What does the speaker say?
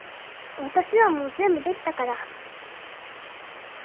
私はもう全部できたから。